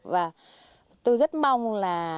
và tôi rất mong là